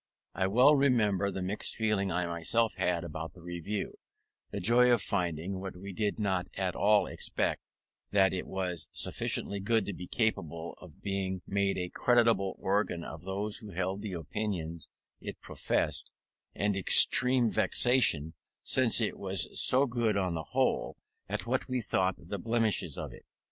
I well remember the mixed feeling I myself had about the Review; the joy of finding, what we did not at all expect, that it was sufficiently good to be capable of being made a creditable organ of those who held the opinions it professed; and extreme vexation, since it was so good on the whole, at what we thought the blemishes of it.